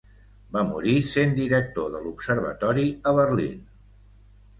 Va morir sent director de l'observatori a Berlín.